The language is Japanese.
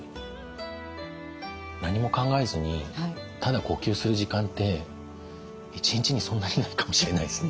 何も考えずにただ呼吸する時間って一日にそんなにないかもしれないですね。